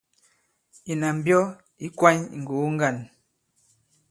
Ìnà mbyɔ ì kwany ì ŋgògo ŋgân.